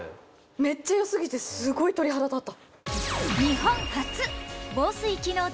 めっちゃ良過ぎてすごい鳥肌立った！